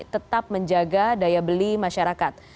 tetap menjaga daya beli masyarakat